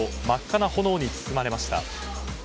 真っ赤な炎に包まれました。